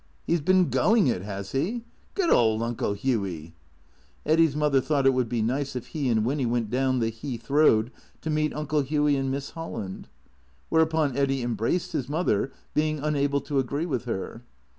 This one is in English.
" He 's been going it, has he ? Good old Uncle Hughy !" Eddy's mother thought it would be nice if he and Winny went down the Heath road to meet Uncle Hughy and Miss Holland. Whereupon Eddy embraced his mother, being unable to agree with her.